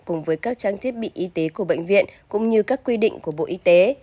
cùng với các trang thiết bị y tế của bệnh viện cũng như các quy định của bộ y tế